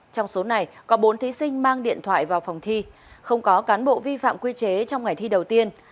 trong số này có bốn thí sinh mang điện thoại vào phòng thi không có cán bộ vi phạm quy chế trong ngày thi đầu tiên